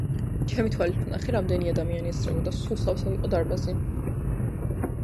ჩემი თვალით ვნახე, რამდენი ადამიანი ესწრებოდა, სულ სავსე იყო დარბაზი.